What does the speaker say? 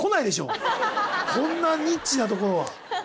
こんなニッチなところは。